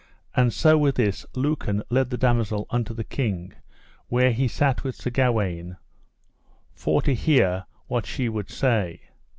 And so with this Lucan led the damosel unto the king where he sat with Sir Gawaine, for to hear what she would say.